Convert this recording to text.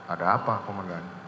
ada apa komandan